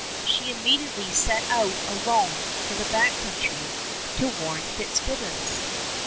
She immediately set out alone for the Back Country to warn Fitzgibbons.